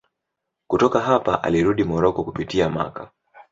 Kutoka hapa alirudi Moroko kupitia Makka.